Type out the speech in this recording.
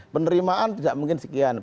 penerimaan tidak mungkin sekian